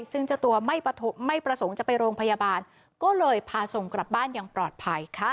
ซึ่งเจ้าตัวไม่ประสงค์จะไปโรงพยาบาลก็เลยพาส่งกลับบ้านอย่างปลอดภัยค่ะ